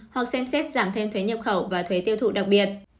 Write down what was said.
hoặc xem xét giảm thêm thuế nhập khẩu và thuế tiêu thụ đặc biệt